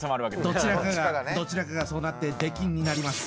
どちらかがどちらかがそうなって出禁になります。